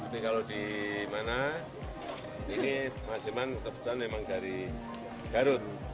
tapi kalau di mana ini mas irman terbetulnya memang dari garut